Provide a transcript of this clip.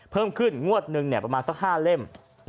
เพิ่มขึ้นงวดหนึ่งประมาณสัก๕เล่ม